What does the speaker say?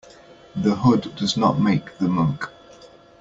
The hood does not make the monk.